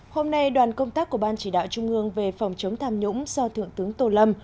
hôm nay đoàn công tác của ban chỉ đạo trung ương về phòng chống tham nhũng do thượng tướng tô lâm